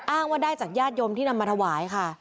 อ้างว่าได้จากญาติโยมที่นำมาถวายค่ะ